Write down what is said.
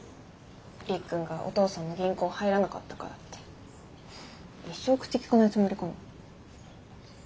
りっくんがお父さんの銀行入らなかったからって一生口利かないつもりかな。